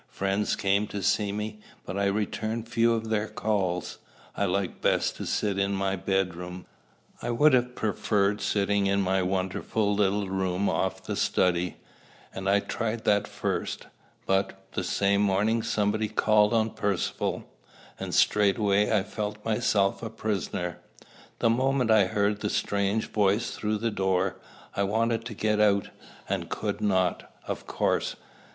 Friends came to see me, but I returned few of their calls. I liked best to sit in my bedroom. I would have preferred sitting in my wonderful little room off the study, and I tried that first; but, the same morning, somebody called on Percivale, and straightway I felt myself a prisoner. The moment I heard the strange voice through the door, I wanted to get out, and could not, of course.